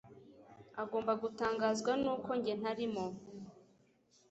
agomba gutangazwa nuko njye ntarimo